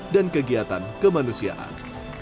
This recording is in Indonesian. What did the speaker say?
dan kegiatan kemanusiaan